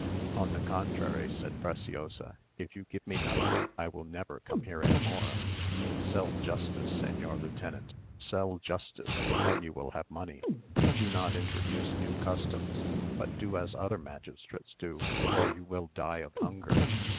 "On the contrary," said Preciosa, "if you give me nothing. I will never come here any more. Sell justice, señor lieutenant, sell justice, and then you will have money. Do not introduce new customs, but do as other magistrates do, or you will die of hunger.